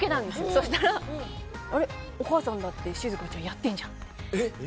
そうしたら、お母さんだってしずかちゃんやってんじゃんって。